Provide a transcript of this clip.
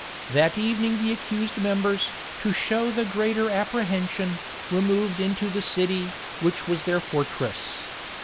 That evening the accused members, to show the greater apprehension, removed into the city, which was their fortress.